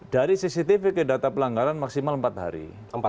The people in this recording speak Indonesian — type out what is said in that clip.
dari cctv ke data pelanggaran maksimal empat hari